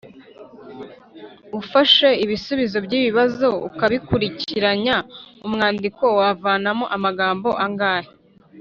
ufashe ibisubizo by’ibi bibazo ukabikurikiranya umwandiko wavanamo amagambo angahe